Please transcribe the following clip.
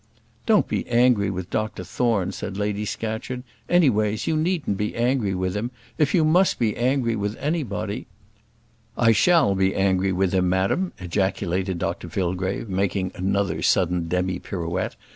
"Don't be angry with Dr Thorne," said Lady Scatcherd. "Any ways, you needn't be angry with him. If you must be angry with anybody " "I shall be angry with him, madam," ejaculated Dr Fillgrave, making another sudden demi pirouette.